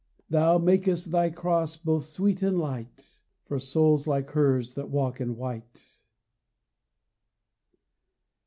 Thou makest Thy Cross both sweet and light For souls like hers that walk in white.